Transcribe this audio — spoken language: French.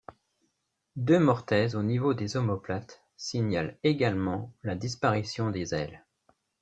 Deux mortaises au niveau des omoplates signalent également la disparition des ailes.